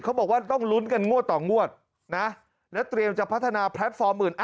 เขาบอกว่าต้องลุ้นกันงวดต่องวดนะและเตรียมจะพัฒนาแพลตฟอร์มอื่น